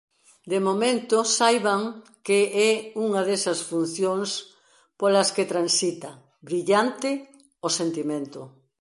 De momento, saiban que é unha desas funcións polas que transita, brillante, o sentimento.